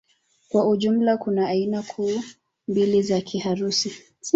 Kwa ujumla kuna aina kuu mbili za Kiharusi